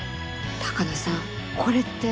鷹野さんこれって。